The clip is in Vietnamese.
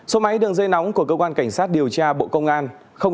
số máy đường dây nóng của cơ quan cảnh sát điều tra bộ công an